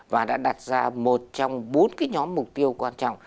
và đã đặt ra một trong bốn cái nhóm mục tiêu quan trọng